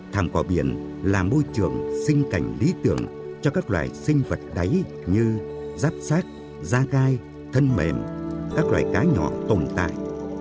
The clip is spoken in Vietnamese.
thẳng cỏ biển là môi trường sinh cảnh lý tưởng cho các loại sinh vật đáy như rác sát da gai thân mềm các loại cá nhỏ tồn tại